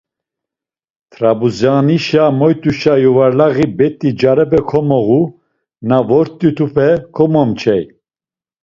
Trabuzanişa moyt̆uşa yuvarlaği bet̆i carepe komoğu, na vort̆itupe komomçey.